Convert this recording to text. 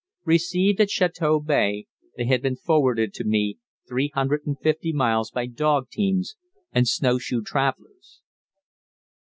Received at Chateau Bay, they had been forwarded to me three hundred and fifty miles by dog teams and snowshoe travellers.